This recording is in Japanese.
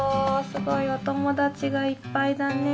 すごいおともだちがいっぱいだね。